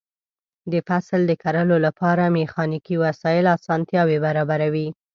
د فصل د کرلو لپاره میخانیکي وسایل اسانتیاوې برابروي.